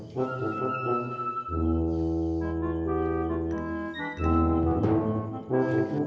karena korban mereka baptikan